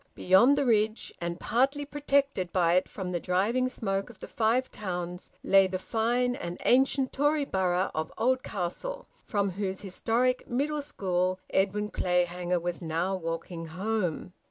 Beyond the ridge, and partly protected by it from the driving smoke of the Five Towns, lay the fine and ancient Tory borough of Oldcastle, from whose historic Middle School Edwin Clayhanger was now walking home.